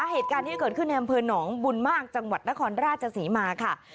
เหตุการณ์ที่เกิดขึ้นในอำเภอหนองบุญมากจังหวัดนครราชศรีมาค่ะ